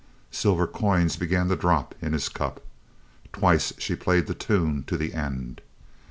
Silver coins began to drop in his cup. Twice she played the tune to the end.